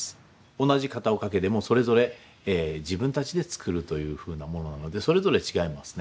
同じ片岡家でもそれぞれ自分たちで作るというふうなものなのでそれぞれ違いますね。